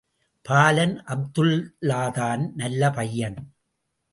பாலன், அப்துல்லாதான் நல்ல பையன்.